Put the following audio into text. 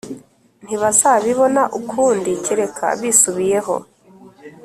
ntibazabibona ukundi kereka bisubiyeho